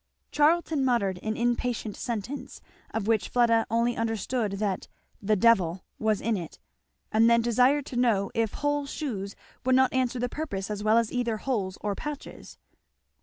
Charlton muttered an impatient sentence, of which Fleda only understood that "the devil" was in it, and then desired to know if whole shoes would not answer the purpose as well as either holes or patches?